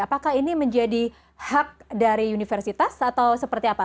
apakah ini menjadi hak dari universitas atau seperti apa